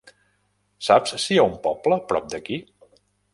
Saps si hi ha un poble prop d'aquí?